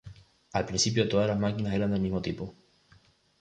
Al principio todas las máquinas eran del mismo tipo.